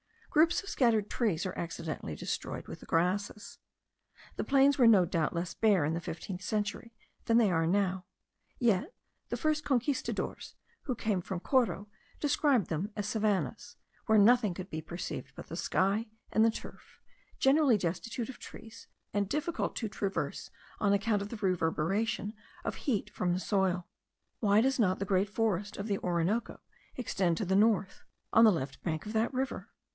Groups of scattered trees are accidentally destroyed with the grasses. The plains were no doubt less bare in the fifteenth century, than they now are; yet the first Conquistadores, who came from Coro, described them then as savannahs, where nothing could be perceived but the sky and the turf, generally destitute of trees, and difficult to traverse on account of the reverberation of heat from the soil. Why does not the great forest of the Orinoco extend to the north, on the left bank of that river?